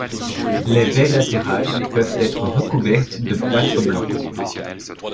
Les baies latérales peuvent être recouvertes de plâtre blanc.